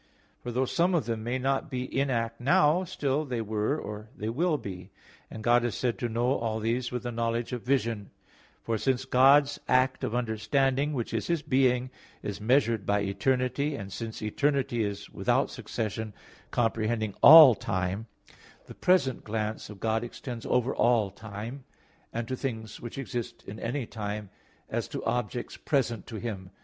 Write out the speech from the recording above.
For though some of them may not be in act now, still they were, or they will be; and God is said to know all these with the knowledge of vision: for since God's act of understanding, which is His being, is measured by eternity; and since eternity is without succession, comprehending all time, the present glance of God extends over all time, and to all things which exist in any time, as to objects present to Him.